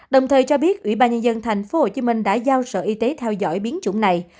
đồng thời cho biết ủy ban nhân dân thành phố hồ chí minh đã giao sở y tế theo dõi biến chủng này